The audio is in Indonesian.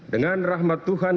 yang tetap menjadi atas